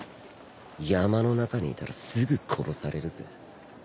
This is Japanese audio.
山の中にいたらすぐ殺されるぜ。